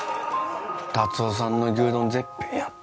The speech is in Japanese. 達雄さんの牛丼絶品やった